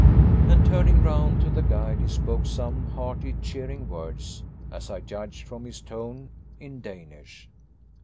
And, turning round to the guide, he spoke some hearty, cheering words, as I judged from his tone, in Danish.